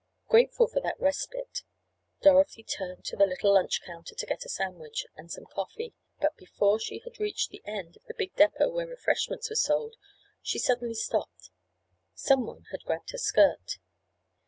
Grateful for that respite Dorothy turned to the little lunch counter to get a sandwich, and some coffee. But, before she had reached the end of the big depot where refreshments were sold, she suddenly stopped—some one had grabbed her skirt.